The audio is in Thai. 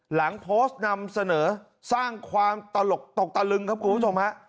หลังโพสต์นำเสนอสร้างความตลกตกตะลึงครับคุณผู้ชมฮะ